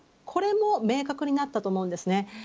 これも明確になったと思うんです。